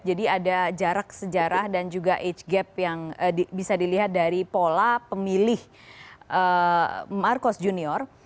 jadi ada jarak sejarah dan juga age gap yang bisa dilihat dari pola pemilih marcos junior